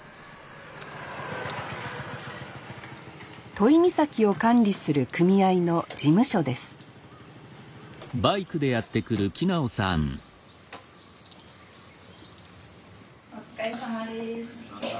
都井岬を管理する組合の事務所です・お疲れさまです。